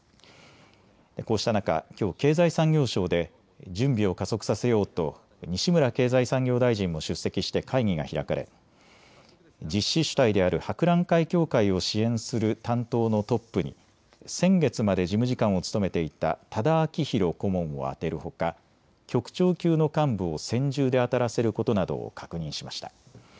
こうした中、きょう経済産業省で準備を加速させようと西村経済産業大臣も出席して会議が開かれ実施主体である博覧会協会を支援する担当のトップに先月まで事務次官を務めていた多田明弘顧問を充てるほか局長級の幹部を専従であたらせることなどを確認しました。